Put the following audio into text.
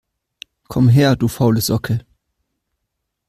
Komm her, du faule Socke!